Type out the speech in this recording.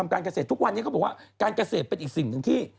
การเกษตรเป็นอีกสิ่งหนึ่งที่